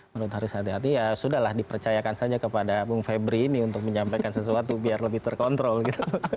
menurut harus hati hati ya sudah lah dipercayakan saja kepada bung febri ini untuk menyampaikan sesuatu biar lebih terkontrol gitu